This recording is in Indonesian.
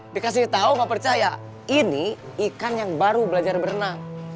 dikasih tahu nggak percaya ini ikan yang baru belajar berenang